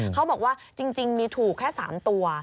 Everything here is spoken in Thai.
เขาบอกว่าจริงมีถูกแค่๓ตัว